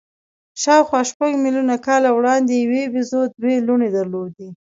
شاوخوا شپږ میلیونه کاله وړاندې یوې بیزو دوې لوڼې درلودې.